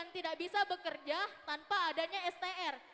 tidak bisa bekerja tanpa adanya str